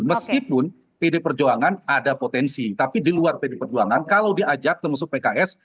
meskipun pd perjuangan ada potensi tapi di luar pd perjuangan kalau diajak termasuk pks